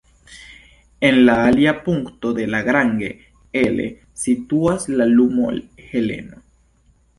En la alia punkto de Lagrange, L, situas la luno Heleno.